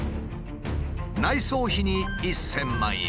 内装費に１，０００万円。